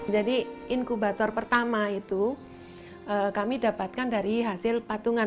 jadi inkubator pertama itu kami dapatkan dari hasil patungan